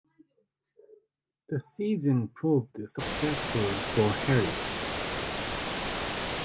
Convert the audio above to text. The season proved successful for Harris.